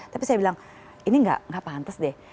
tapi saya bilang ini nggak pantas deh